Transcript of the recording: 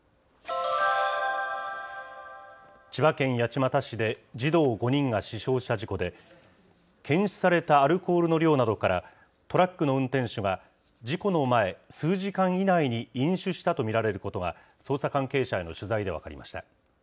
千葉県八街市で児童５人が死傷した事故で、検出されたアルコールの量などから、トラックの運転手が事故の前、数時間以内に飲酒したと見られることが、捜査関係者への取材で分かりました。